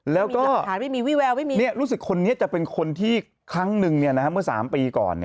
แล้วก็รู้สึกคนนี้จะเป็นคนที่ครั้งนึงนะครับเมื่อ๓ปีก่อน